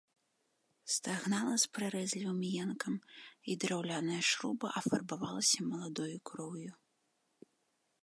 Стагнала з прарэзлівым енкам, і драўляная шруба афарбавалася маладою кроўю.